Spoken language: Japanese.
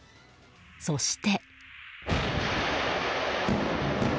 そして。